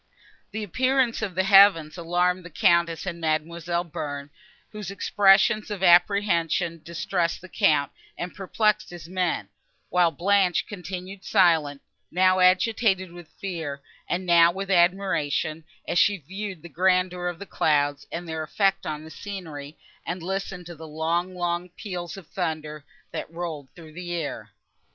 The appearance of the heavens alarmed the Countess and Mademoiselle Bearn, whose expressions of apprehension distressed the Count, and perplexed his men; while Blanche continued silent, now agitated with fear, and now with admiration, as she viewed the grandeur of the clouds, and their effect on the scenery, and listened to the long, long peals of thunder, that rolled through the air.